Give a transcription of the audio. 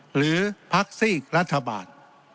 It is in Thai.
หรือภักษ์สิกรัฐบาล